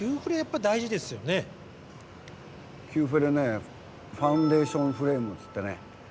９フレね「ファンデーションフレーム」つってね